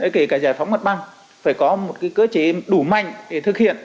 kể cả giải phóng mặt bằng phải có một cơ chế đủ mạnh để thực hiện